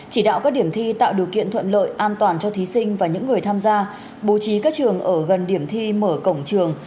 chỉ đạo các điểm thi tạo điều kiện thuận lợi an toàn cho thí sinh và những người tham gia bố trí các trường ở gần điểm thi mở cổng trường